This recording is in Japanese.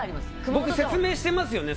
僕、説明してますよね？